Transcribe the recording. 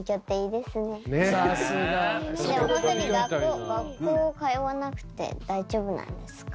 でも本当に学校学校通わなくて大丈夫なんですか？